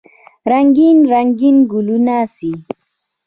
رنګین، رنګین ګلونه سي